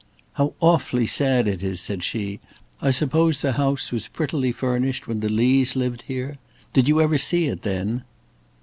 "How awfully sad it is!" said she; "I suppose the house was prettily furnished when the Lees lived here? Did you ever see it then?"